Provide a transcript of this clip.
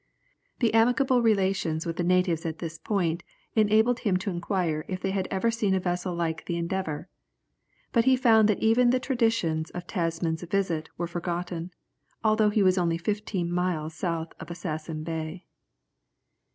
The amicable relations with the natives at this point enabled him to inquire if they had ever seen a vessel like the Endeavour. But he found that even the traditions of Tasman's visit were forgotten, although he was only fifteen miles south of Assassin Bay.